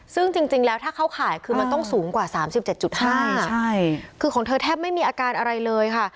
ซึ่งจริงแล้วถ้าเข้าข่ายคือมันต้องสูงกว่า๓๗๕คือของเธอแทบไม่มีอาการอะไรเลยค่ะ